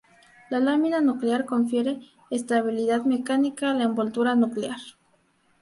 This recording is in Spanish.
La lámina nuclear confiere estabilidad mecánica a la envoltura nuclear.